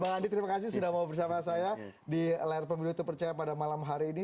bang andi terima kasih sudah mau bersama saya di layar pemilu terpercaya pada malam hari ini